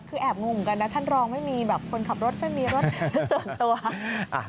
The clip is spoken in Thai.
คือแอบงงเหมือนกันนะท่านรองไม่มีแบบคนขับรถไม่มีรถส่วนตัว